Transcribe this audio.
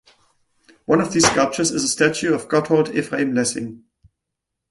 One of these sculptures is a statue of Gotthold Ephraim Lessing.